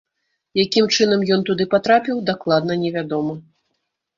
Якім чынам ён туды патрапіў, дакладна невядома.